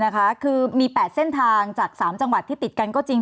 คือมี๘เส้นทางจาก๓จังหวัดที่ติดกันก็จริง